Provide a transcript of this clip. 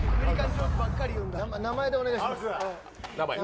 名前でお願いします。